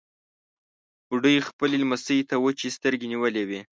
بوډۍ خپلې لمسۍ ته وچې سترګې نيولې وې.